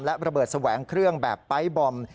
และระเบิดแสวงเครื่องแบบไปร์ทบอม